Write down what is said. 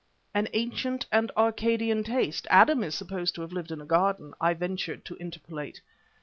"An ancient and Arcadian taste. Adam is supposed to have lived in a garden," I ventured to interpolate.